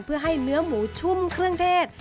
เพื่อให้เนื้อหมูชุ่มเครื่องเทศ